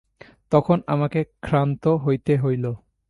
তখন আমাকে ক্ষান্ত হইতে হইল।